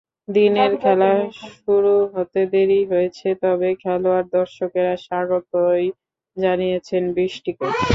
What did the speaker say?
দিনের খেলা শুরু হতে দেরি হয়েছে, তবে খেলোয়াড়-দর্শকেরা স্বাগতই জানিয়েছেন বৃষ্টিকে।